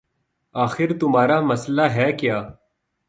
آخر تمہارا مسئلہ ہے کیا